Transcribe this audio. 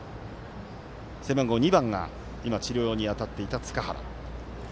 背番号２番が治療に当たっていた塚原。